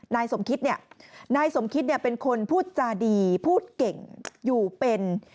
นายสมคิตเป็นคนพูดจาดีพูดเก่งอยู่เป็น